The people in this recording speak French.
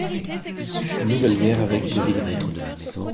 - Nouvelle guerre avec les Vénitiens.